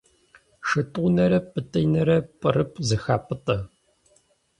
Шытӏунэрэ Пӏытӏинэрэ пӏырыпӏ зэхапӏытӏэ.